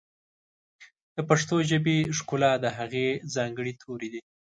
د پښتو ژبې ښکلا د هغې ځانګړي توري دي.